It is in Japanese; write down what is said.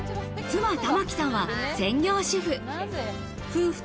妻・珠紀さんは専業主婦。